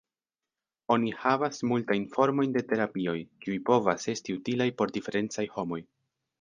Oni havas multan formojn de terapioj, kiuj povas esti utilaj por diferencaj homoj.